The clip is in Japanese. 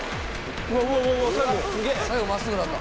最後まっすぐなった。